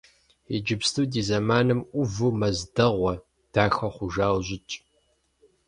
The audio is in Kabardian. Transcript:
Иджыпсту ди зэманым ӏуву мэз дэгъуэ, дахэ хъужауэ щытщ.